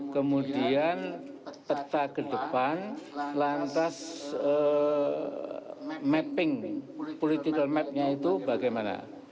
kemudian peta ke depan lantas mapping political map nya itu bagaimana